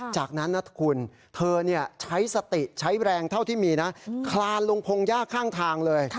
จากนั้นนะคุณเธอใช้สติใช้แรงเท่าที่มีนะคลานลงพงหญ้าข้างทางเลย